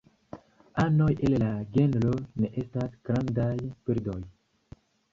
Anoj el la genro ne estas grandaj birdoj.